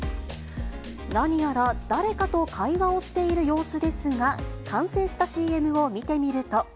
何やら、誰かと会話をしている様子ですが、完成したＣＭを見てみると。